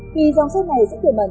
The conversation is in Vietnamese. thì dòng xét này sẽ kề mặt